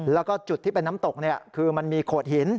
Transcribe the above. แล้วก็จุดที่เป็นน้ำตกคือมันมีโขดหิน